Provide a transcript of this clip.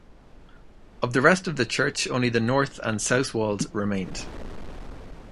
Of the rest of the church only the north and south walls remained.